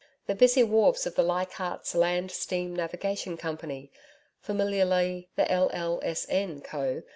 The busy wharves of the Leichardt's Land Steam Navigation Company familiarly, the L.L.S.N. Co.